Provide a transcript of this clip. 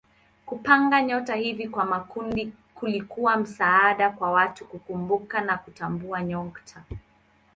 Kupanga nyota hivi kwa makundi kulikuwa msaada kwa watu kukumbuka na kutambua nyota.